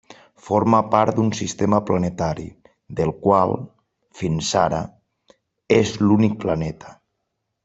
Forma part d'un sistema planetari, del qual, fins ara, és l'únic planeta.